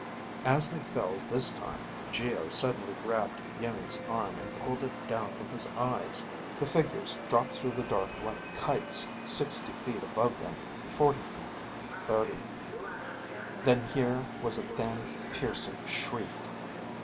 As they fell this time, Geo suddenly grabbed Iimmi's arm and pulled it down from his eyes. The figures dropped through the dark like kites, sixty feet above them, forty feet, thirty; then there was a thin, piercing shriek.